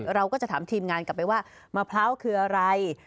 เราก็จะถามทีมงานกลับไปว่ามะพร้าวคืออะไร